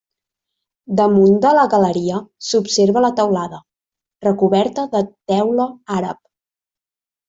Damunt de la galeria s'observa la teulada, recoberta de teula àrab.